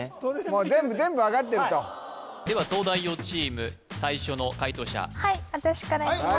もう全部分かってるとでは東大王チーム最初の解答者はい私からいきます